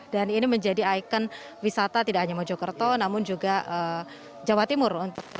dan ini menjadi ikon wisata tidak hanya mojokerto namun juga jawa timur